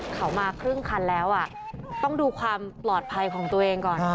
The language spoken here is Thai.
เขามาครึ่งคันแล้วต้องดูความปลอดภัยของตัวเองก่อน